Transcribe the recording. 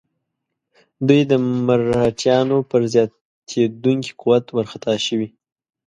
دوی د مرهټیانو پر زیاتېدونکي قوت وارخطا شوي.